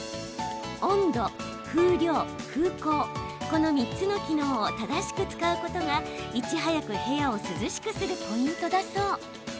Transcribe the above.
この３つの機能を正しく使うことがいち早く部屋を涼しくするポイントだそう。